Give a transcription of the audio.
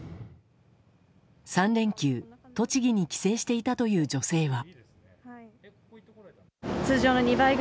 ３連休、栃木に帰省していたという女性は。